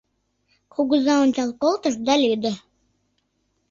Кугыза ончал колтыш да лӱдӧ!